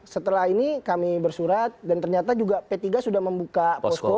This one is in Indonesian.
setelah ini kami bersurat dan ternyata juga p tiga sudah membuka posko